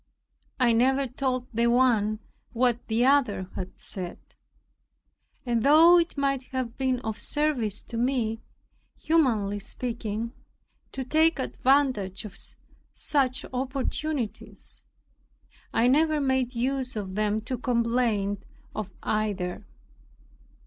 I never told the one what the other had said. And though it might have been of service to me, humanly speaking, to take advantage of such opportunities, I never made use of them to complain of either.